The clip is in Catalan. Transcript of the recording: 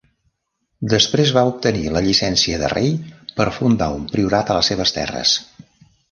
Després va obtenir la llicència de rei per fundar un priorat a les seves terres.